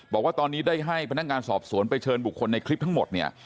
บอกว่าตอนนี้ได้ให้พนักงานสอบสวนไปเชิญบุคคลในคลิปทั้งหมดเนี่ย